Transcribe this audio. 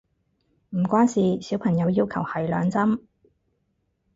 唔關事，小朋友要求係兩針